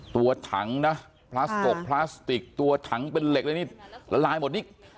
ตัวถังนะพลาสกพลาสติกตัวถังเป็นเหล็กเลยนี่ละลายหมดนี่